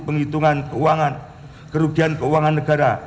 penghitungan kerugian keuangan negara